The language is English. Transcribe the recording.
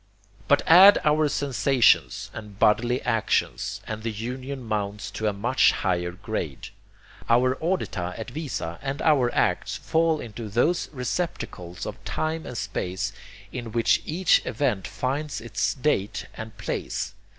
But add our sensations and bodily actions, and the union mounts to a much higher grade. Our audita et visa and our acts fall into those receptacles of time and space in which each event finds its date and place.